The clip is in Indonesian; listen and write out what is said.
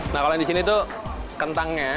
nah kalau yang di sini tuh kentangnya